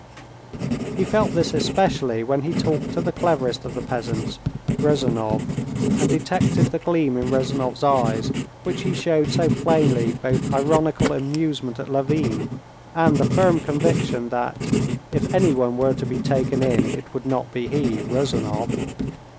He felt this especially when he talked to the cleverest of the peasants, Ryezunov, and detected the gleam in Ryezunov's eyes which showed so plainly both ironical amusement at Levin, and the firm conviction that, if anyone were to be taken in, it would not be he, Ryezunov.